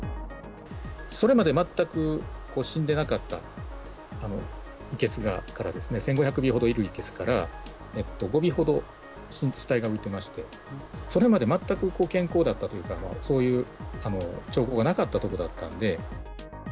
それまで全く死んでなかった生けすから、１５００尾ほどいる生けすから、５尾ほど死体が浮いていまして、それまで全く健康だったというか、そういう兆候がなかったとこだったので。